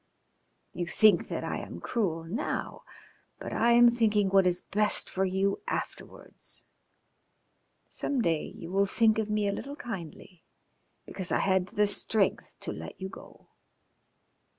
You think that I am cruel now, but I am thinking what is best for you afterwards. Some day you will think of me a little kindly because I had the strength to let you go.